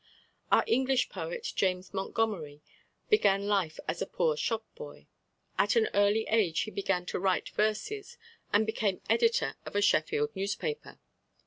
Our English poet James Montgomery began life as a poor shop boy. At an early age he began to write verses, and became editor of a Sheffield newspaper.